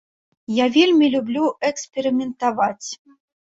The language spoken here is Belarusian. Я вельмі люблю эксперыментаваць.